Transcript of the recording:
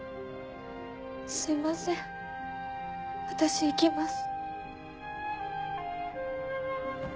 すいません私行きます。